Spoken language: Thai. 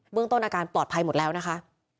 เรื่องต้นอาการปลอดภัยหมดแล้วนะคะ